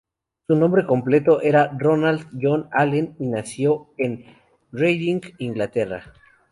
Su nombre completo era Ronald John Allen, y nació en Reading, Inglaterra.